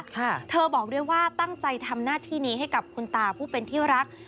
เธอบอกด้วยว่าตั้งใจทำหน้าที่นี้ให้กับคุณตาผู้เป็นที่รัก